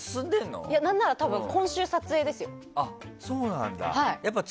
何なら今週撮影ですよ。